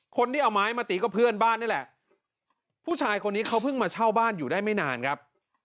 คนที่เอาไม้มาตีก็เพื่อนบ้านนี่แหละผู้ชายคนนี้เขาเพิ่งมาเช่าบ้านอยู่ได้ไม่นานครับ